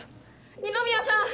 二宮さん！